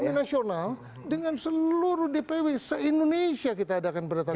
rakyat rakyat nasional dengan seluruh dpw se indonesia kita adakan berdatangan